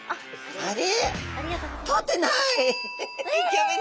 あれ？